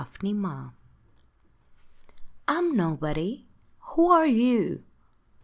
[cc] I'M Nobody! Who are you?